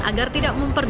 agar tidak memperduk